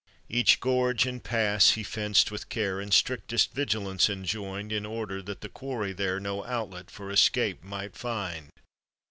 *• Each gorge and p.ns he fenced with care, And strictest vigilance enjoined In order that the quarry there No outlet for escape might find.